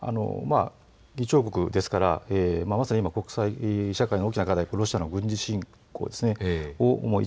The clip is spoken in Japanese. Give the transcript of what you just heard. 議長国ですから、まさに今国際社会の大きな課題がロシアの軍事侵攻です。